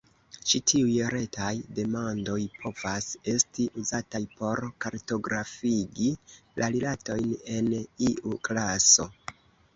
Ĉi tiuj retaj demandoj povas esti uzataj por kartografigi la rilatojn en iu klaso.